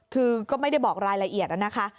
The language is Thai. คือก็ไม่ได้บอกรายละเอียดนะคะ